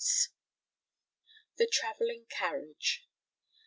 THE TRAVELLING CARRIAGE.